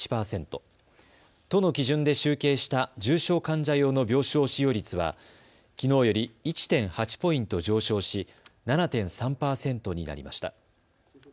都の基準で集計した重症患者用の病床使用率はきのうより１．８ポイント上昇し７．３％になりました。